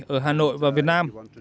ở hà nội và việt nam